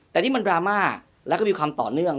แต่ที่มันดราม่าแล้วก็มีความต่อเนื่อง